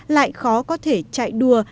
lại khó có thể chạy đua